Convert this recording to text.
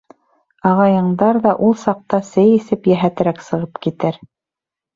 Ағайыңдар ҙа ул саҡта сәй эсеп йәһәтерәк сығып китер.